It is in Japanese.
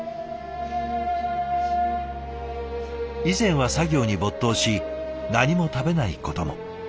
以前は作業に没頭し何も食べないことも。